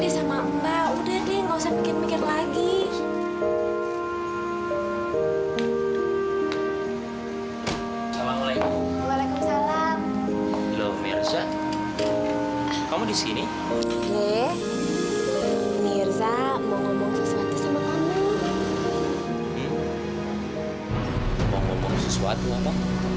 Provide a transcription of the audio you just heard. sampai jumpa di video selanjutnya